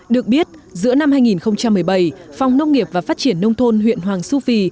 được biết giữa năm hai nghìn một mươi bảy phòng nông nghiệp và phát triển nông thôn huyện hoàng su phi